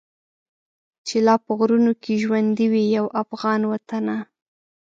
چي لا په غرونو کي ژوندی وي یو افغان وطنه.